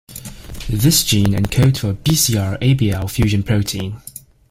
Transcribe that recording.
This gene encodes for a Bcr-abl fusion protein.